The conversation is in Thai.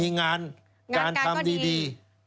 มีงานการทำดี